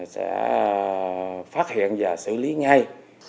sẽ phát hiện và xử lý ngay